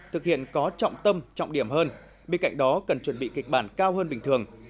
thực hiện có trọng tâm trọng điểm hơn bên cạnh đó cần chuẩn bị kịch bản cao hơn bình thường